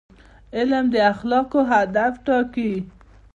علم د اخلاقو هدف ټاکي.